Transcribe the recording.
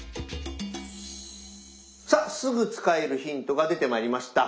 さっすぐ使えるヒントが出てまいりました。